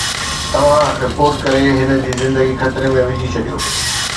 توهان رپورٽ ڪري هن جي زندگي خطري ۾ وجهي ڇڏيو